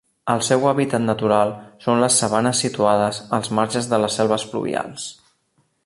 El seu hàbitat natural són les sabanes situades als marges de les selves pluvials.